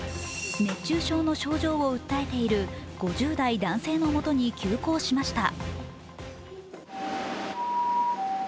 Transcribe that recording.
熱中症の症状を訴えている５０代男性のもとに急行しました。